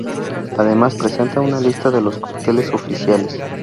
Además presenta una lista de los cócteles oficiales.